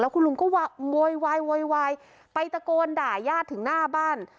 คุณลุงก็โวยวายโวยวายไปตะโกนด่ายาดถึงหน้าบ้าน